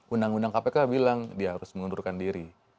undang undang kpk bilang dia harus mengundurkan diri